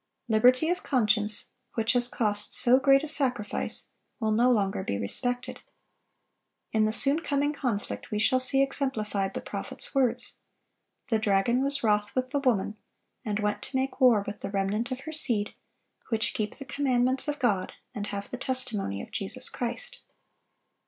Liberty of conscience, which has cost so great a sacrifice, will no longer be respected. In the soon coming conflict we shall see exemplified the prophet's words, "The dragon was wroth with the woman, and went to make war with the remnant of her seed, which keep the commandments of God, and have the testimony of Jesus Christ."